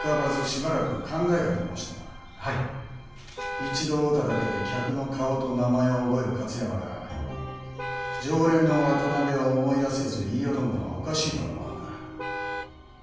一度会うただけで客の顔と名前を覚える勝山が常連の渡辺を思い出せず言いよどむのはおかしいとは思わぬか？